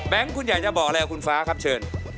แบงค์คุณอยู่นี่ก็บอกอะไรฟ้าครับเชิญ